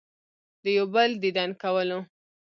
د يو بل ديدن کولو